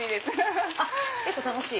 結構楽しい！